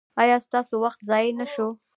ایا ستاسو وخت ضایع نه شو؟